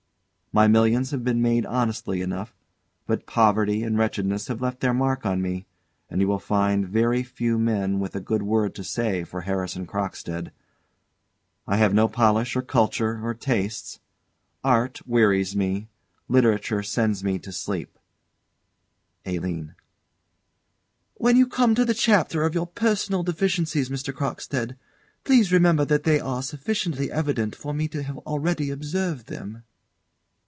My millions have been made honestly enough; but poverty and wretchedness had left their mark on me, and you will find very few men with a good word to say for Harrison Crockstead. I have no polish, or culture, or tastes. Art wearies me, literature sends me to sleep ALINE. When you come to the chapter of your personal deficiencies, Mr. Crockstead, please remember that they are sufficiently evident for me to have already observed them.